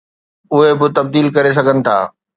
اهي به تبديل ڪري سگهن ٿا.